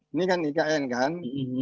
ini kan ikn kan